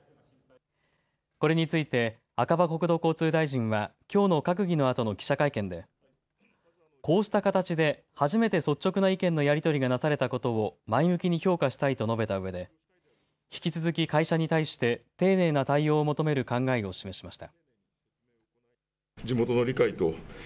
これについて赤羽国土交通大臣はきょうの閣議のあとの記者会見でこうした形で初めて率直な意見のやり取りがなされたことを前向きに評価したいと述べたうえで引き続き会社に対して丁寧な対応を求める考えを示しました。